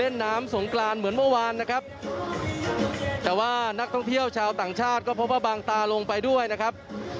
แต่ว่านักท่องเที่ยวชาวต่างชาติก็พบว่าบางตาลงไปด้วยนะครับ